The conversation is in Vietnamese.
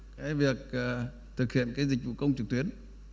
cái việc thực hiện cái dịch vụ công trực tuyến